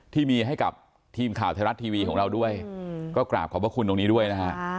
ที่มีให้กับทีมข่าวไทยรัฐทีวีของเราด้วยก็กราบขอบพระคุณตรงนี้ด้วยนะฮะ